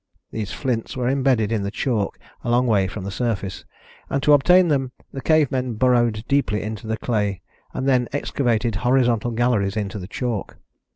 These flints were imbedded in the chalk a long way from the surface, and to obtain them the cave men burrowed deeply into the clay, and then excavated horizontal galleries into the chalk.